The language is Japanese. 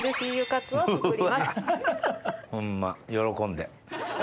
うわホンマ喜んで。